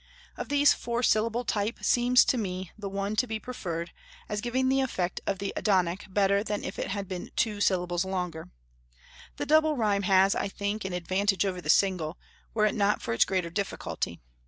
Of these the four syllable type seems to me the one to be preferred, as giving the effect of the Adonic better than if it had been two syllables longer. The double rhyme has, I think, an advantage over the single, were it not for its greater difficulty.